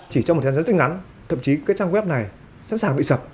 chỉ trong một thời gian rất ngắn thậm chí cái trang web này sẵn sàng bị sập